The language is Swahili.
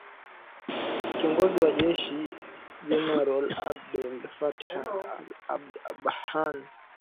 kiongozi wa kijeshi Jenerali Abdel Fattah al Burhan